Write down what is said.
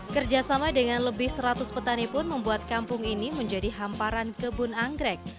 kerjasama dengan lebih seratus petani pun membuat kampung ini menjadi hamparan kebun anggrek